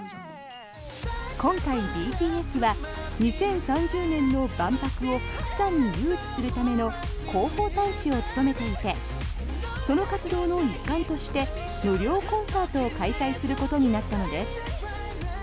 今回、ＢＴＳは２０３０年の万博を釜山に誘致するための広報大使を務めていてその活動の一環として無料コンサートを開催することになったのです。